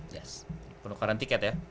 ya penukaran tiket ya